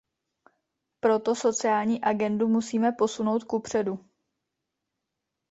Proto sociální agendu musíme posunout kupředu.